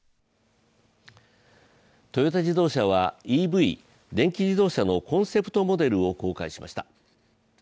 トヨタ自動車はＥＶ＝電気自動車のコンセプトモデルを公開しました。